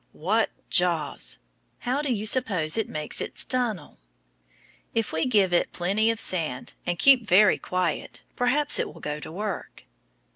What jaws! How do you suppose it makes its tunnel? If we give it plenty of sand, and keep very quiet, perhaps it will go to work.